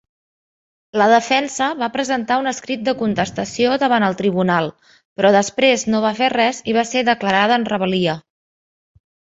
La defensa va presentar un escrit de contestació davant el Tribunal, però després no va fer res i va ser declarada en rebel·lia.